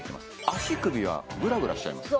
足首はグラグラしちゃいます